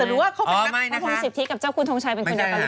แต่รู้ว่าเขาเป็นนักพงสิทธิกับเจ้าคุณทงชัยเป็นคนเดียวกัน